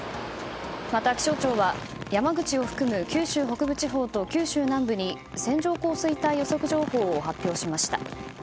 また、気象庁は山口を含む九州北部地方と九州南部に線状降水帯予測情報を発表しました。